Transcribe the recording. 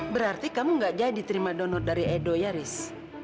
berarti kamu gak jadi terima donor dari edo yaris